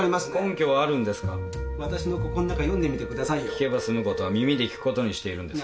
聞けば済むことは耳で聞くことにしているんです。